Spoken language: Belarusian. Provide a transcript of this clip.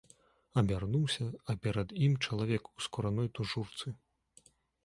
Абярнуўся, а перад ім чалавек у скураной тужурцы.